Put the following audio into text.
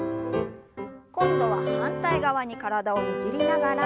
今度は反対側に体をねじりながら。